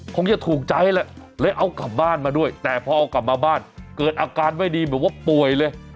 คงจะถูกใจแหละเลยเอากลับบ้านมาด้วยแต่พอเอากลับมาบ้านเกิดอาการไม่ดีแบบว่าป่วยเลย